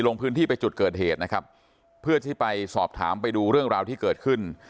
ลงพื้นที่ไปจุดเกิดเหตุนะครับเพื่อที่ไปสอบถามไปดูเรื่องราวที่เกิดขึ้น